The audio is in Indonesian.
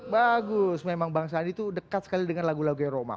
bagus memang bang sandi itu dekat sekali dengan lagu lagunya roma